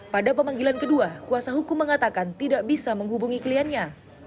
pada pemanggilan kedua kuasa hukum mengatakan tidak bisa menghubungi kliennya